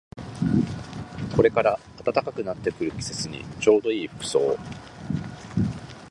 これから暖かくなってくる季節にちょうどいい服装